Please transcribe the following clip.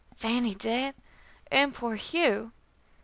"Fannie, dead! and poor Hugh!